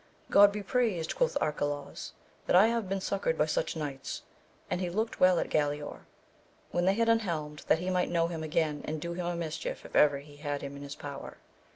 God be praised, quoth Arcalaus, that I have been succoured by such knights ! and he looked well at Galaor, when they had un helmed, that he might know him again and do him a mischief if ever he had him in his power.